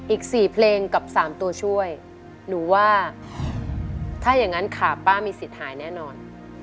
อีก๔เพลงกับ๓ตัวช่วยหนูว่าถ้าอย่างนั้นขาป้ามีสิทธิ์หายแน่นอน